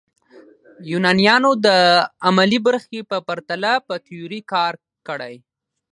یونانیانو د عملي برخې په پرتله په تیوري کار کړی.